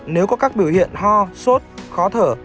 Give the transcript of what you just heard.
nếu có các biểu hiện ho sốt khó thở